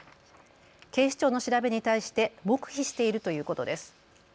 警視庁の調べに対して黙秘しているということです。